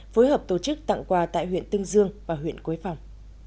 phối hợp tổ chức tặng quà tại huyện tương dương và huyện quế phòng